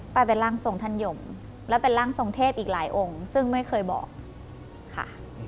เป็นร่างทรงท่านยมและเป็นร่างทรงเทพอีกหลายองค์ซึ่งไม่เคยบอกค่ะ